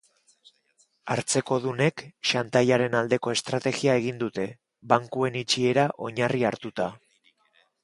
Hartzekodunek xantaiaren aldeko estrategia egin dute, bankuen itxiera oinarri hartuta.